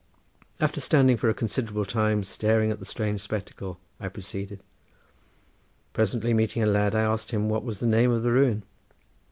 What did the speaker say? After standing for a considerable time staring at the strange spectacle I proceeded. Presently meeting a lad, I asked him what was the name of the ruin.